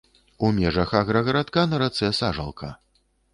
У межах аграгарадка на рацэ сажалка.